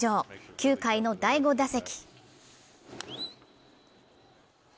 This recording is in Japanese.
９回の第５打席。